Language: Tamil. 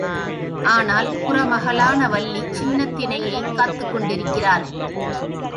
ஆனால் குறமகளான வள்ளி சின்னத் தினையைக் காத்துக் கொண்டிருக்கிறாள்.